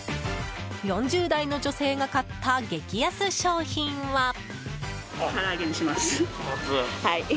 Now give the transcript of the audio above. ４０代の女性が買った激安商品は。